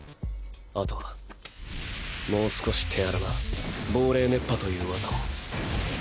あとはもう少し手荒な膨冷熱波という技も。